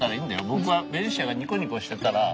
僕はベニシアがニコニコしてたら。